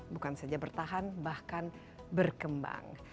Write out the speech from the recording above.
bukan saja bertahan bahkan berkembang